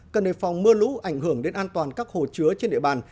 cần đề phòng mưa lũ ảnh hưởng đến an toàn các hồ chứa trên địa bàn